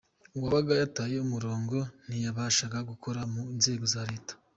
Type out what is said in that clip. Uwabaga yataye umurongo ntiyabashaga gukora mu nzego za Leta.